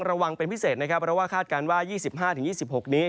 ระวังเป็นพิเศษนะครับเพราะว่าคาดการณ์ว่า๒๕๒๖นี้